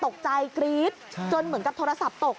กล้องตกใจกรี๊ดจนเหมือนกับโทรศัพท์ตก